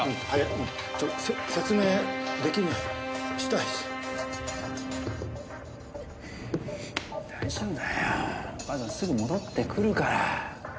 お母さんすぐ戻ってくるから。